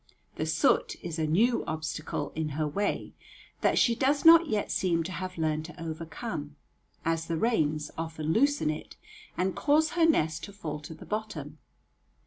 The soot is a new obstacle in her way, that she does not yet seem to have learned to overcome, as the rains often loosen it and cause her nest to fall to the bottom.